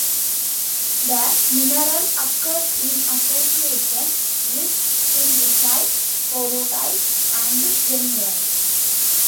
The mineral occurs in association with heinrichite, scorodite, and zeunerite.